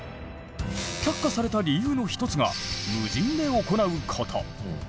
却下された理由の一つが無人で行うこと。